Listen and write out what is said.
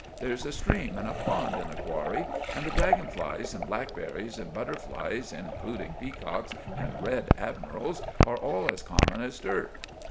There's a stream and a pond in the qwarry and the draggon flies and blackberries and butterflies, including peacocks and red admirals, are all as common as dirt."